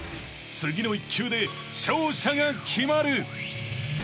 ［次の１球で勝者が決まる］